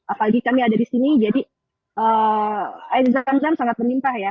apalagi kami ada di sini jadi air zam zam sangat menimpa ya